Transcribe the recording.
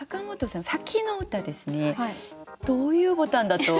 さっきの歌ですねどういうボタンだと？